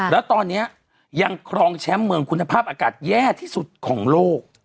แล้วตอนนี้ยังครองแชมป์เมืองคุณภาพอากาศแย่ที่สุดของโลก